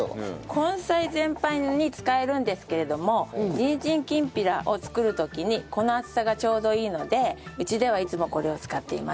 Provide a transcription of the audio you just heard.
根菜全般に使えるんですけれどもにんじんきんぴらを作る時にこの厚さがちょうどいいのでうちではいつもこれを使っています。